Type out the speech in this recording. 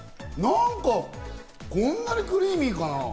なんかこんなにクリーミーかな？